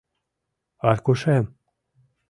— Аркушем...